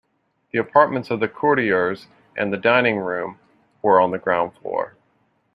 The apartments of the courtiers and the Dining Room were on the ground floor.